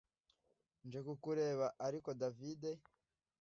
nje kukureba ariko davide